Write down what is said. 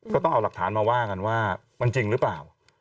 ก็ต้องเอาหลักฐานมาว่ากันว่ามันจริงหรือเปล่า